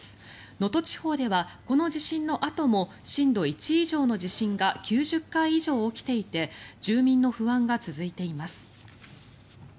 能登地方ではこの地震のあとも震度１以上の地震が９０回以上起きていて住民の不安が続いています。